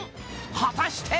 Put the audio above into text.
果たして！？